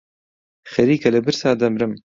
خەریکە لە برسا دەمرم.